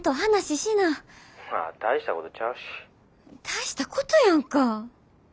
大したことやんか。